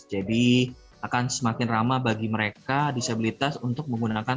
jadi akan semakin ramah bagi mereka disabilitas untuk menggunakan